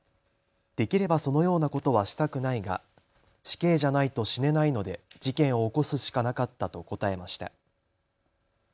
できればそのようなことはしたくないが死刑じゃないと死ねないので事件を起こすしかなかったと答えました。